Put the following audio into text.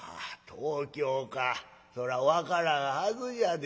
そら分からんはずじゃで。